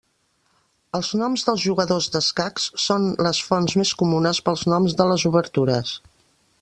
Els noms dels jugadors d'escacs són les fonts més comunes pels noms de les obertures.